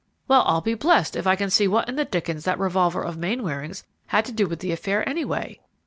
"Well, I'll be blessed if I can see what in the dickens that revolver of Mainwaring's had to do with the affair, anyway!"